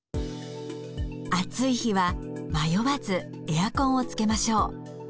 暑い日は迷わずエアコンをつけましょう。